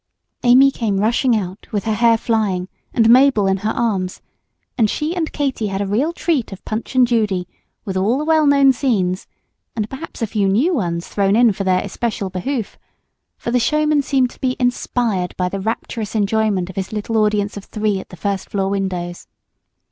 Amy came rushing out, with her hair flying and Mabel in her arms; and she and Katy had a real treat of Punch and Judy, with all the well known scenes, and perhaps a few new ones thrown in for their especial behoof; for the showman seemed to be inspired by the rapturous enjoyment of his little audience of three at the first floor windows.